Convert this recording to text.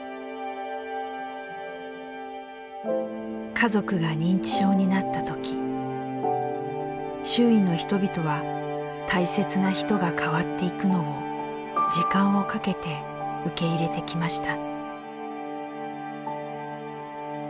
家族が認知症になった時周囲の人々は大切な人が変わっていくのを時間をかけて受け入れてきました。